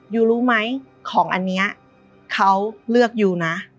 ยูรู้ไหมของอันนี้เขาเลือกยูนะ